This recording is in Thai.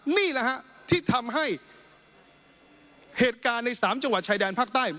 นี่แหละฮะที่ทำให้เหตุการณ์ใน๓จังหวัดชายแดนภาคใต้